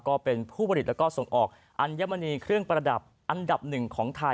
ก็เป็นผู้ผลิตแล้วก็ส่งออกอัญมณีเครื่องประดับอันดับหนึ่งของไทย